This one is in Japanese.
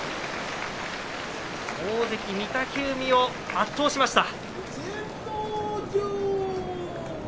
大関、御嶽海を圧倒しました。